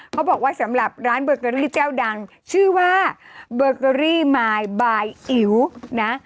เขาบอกว่าสำหรับร้านเบอร์เกอรี่เจ้าดังชื่อว่าเบอร์เกอรี่มายบายอิ๋วนะ